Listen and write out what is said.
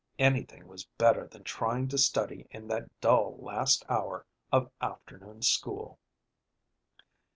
Anything was better than trying to study in that dull last hour of afternoon school.